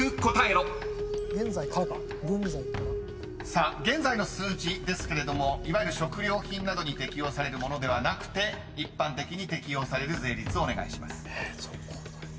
［さあ現在の数字ですけれどもいわゆる食料品などに適用されるものではなくて一般的に適用される税率をお願いします］